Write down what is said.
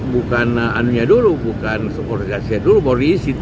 bukan anunya dulu bukan organisasinya dulu baru diisi